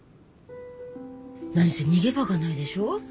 何せ逃げ場がないでしょ？